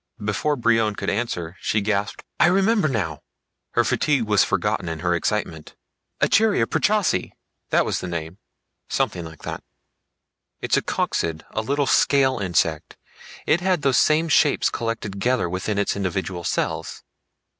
Before Brion could answer she gasped, "I remember now!" Her fatigue was forgotten in her excitement. "Icerya purchasi, that was the name, something like that. It's a coccid, a little scale insect. It had those same shapes collected together within its individual cells."